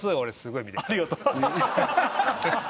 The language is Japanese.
ありがとう。